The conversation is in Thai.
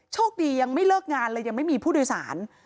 โชคดียังไม่เลิกงานเลยยังไม่มีผู้โดยสาร